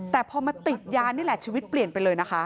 แต่พอมาติดยานี่แหละชีวิตเปลี่ยนไปเลยนะคะ